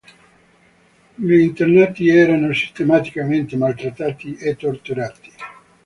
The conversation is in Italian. Gli internati erano sistematicamente maltrattati e torturati.